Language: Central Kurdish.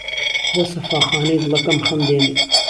بۆ سهفاخانهی دڵهکهم خهم دێنێ